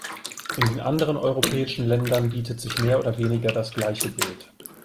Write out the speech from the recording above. In den anderen europäischen Ländern bietet sich mehr oder weniger das gleiche Bild.